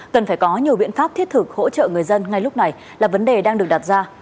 cần phải có nhiều biện pháp thiết thực hỗ trợ người dân ngay lúc này là vấn đề đang được đặt ra